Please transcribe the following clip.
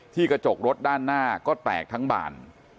กระจกรถด้านหน้าก็แตกทั้งบาน